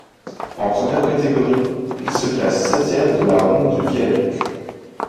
En première catégorie, il se classe septième de la Ronde du Viaduc.